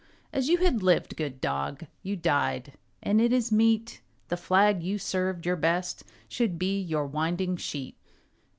As you had lived, good dog, you died, And it is meet The flag you served your best should be Your winding sheet.